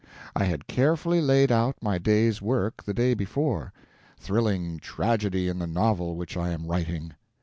I had carefully laid out my day's work the day before thrilling tragedy in the novel which I am writing.